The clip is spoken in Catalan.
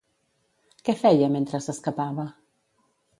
Què feia, mentre s'escapava?